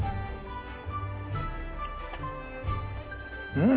うん！